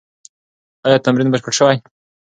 ایا تمرین بشپړ سوی؟